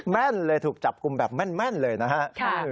แม่นเลยถูกจับกลุ่มแบบแม่นเลยนะฮะ